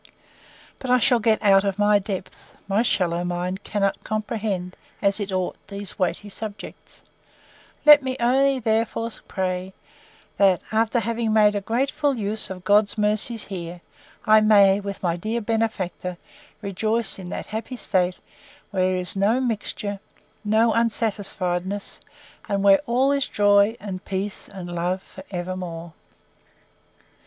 But I shall get out of my depth; my shallow mind cannot comprehend, as it ought, these weighty subjects: Let me only therefore pray, that, after having made a grateful use of God's mercies here, I may, with my dear benefactor, rejoice in that happy state, where is no mixture, no unsatisfiedness; and where all is joy, and peace, and love, for evermore!